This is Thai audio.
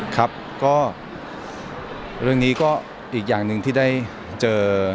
ครับก็เรื่องนี้ก็อีกอย่างหนึ่งที่ได้เจอ